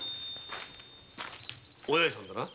お八重さんだな。